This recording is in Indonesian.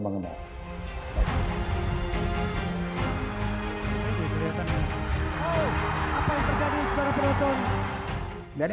yang duluan mengenal